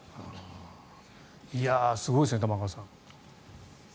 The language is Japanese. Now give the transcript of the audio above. すごいですね、玉川さん。